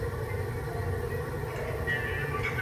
له ملګرو سره خندل ګټه لري.